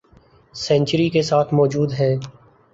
century کے ساتھ موجود ہیں